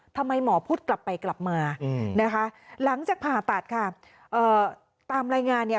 ทำไมหมอพูดกลับไปกลับมานะคะหลังจากผ่าตัดค่ะตามรายงานเนี่ย